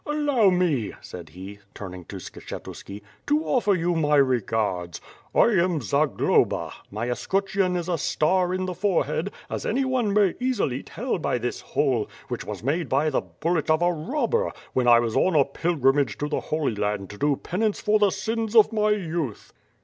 Allow me," said he, turning to Skshetuski, "to offer you my regards. I am Zagloba, my escutcheon is a star in the forehead, as anyone may easily tell by this hole, which was made by the bullet of a robber, when I was on a pilgrimage to the Holy Land to do penance for the sins of my youth."